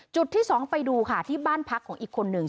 จุดที่๒ไปดูค่ะที่บ้านพักของอีกคนนึง